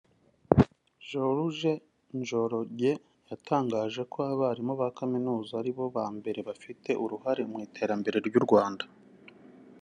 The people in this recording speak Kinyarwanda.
George Njoroge yatangaje ko abarimu ba Kaminuza ari bo ba mbere bafite uruhare mu iterambere ry’ u Rwanda